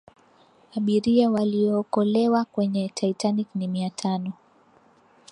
abiria waliyookolewa kwenye titanic ni mia tano